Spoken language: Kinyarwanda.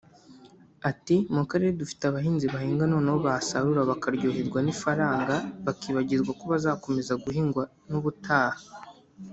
Ati “Mu karere dufite abahinzi bahinga noneho basarura bakaryoherwa n’ifaranga bakibagirwa ko bazakomeza guhinga n’ubutaha